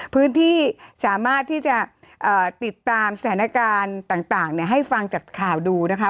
พื้นที่สามารถที่จะติดตามสถานการณ์ต่างให้ฟังจากข่าวดูนะคะ